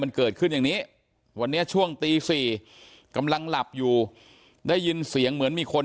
มันเกิดขึ้นอย่างนี้วันนี้ช่วงตี๔กำลังหลับอยู่ได้ยินเสียงเหมือนมีคน